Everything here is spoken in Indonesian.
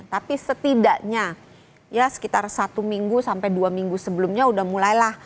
tapi setidaknya ya sekitar satu minggu sampai dua minggu sebelumnya udah mulailah